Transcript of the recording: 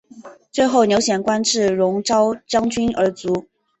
最后刘显官至戎昭将军而卒。